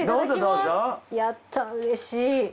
やったうれしい。